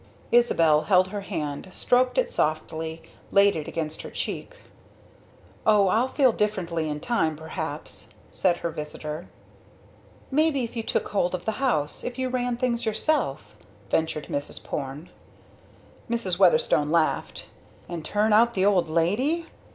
Isabel held her hand, stroked it softly, laid it against her cheek. "Oh, I'll feel differently in time, perhaps!" said her visitor. "Maybe if you took hold of the house if you ran things yourself," ventured Mrs. Porne. Mrs. Weatherstone laughed. "And turn out the old lady?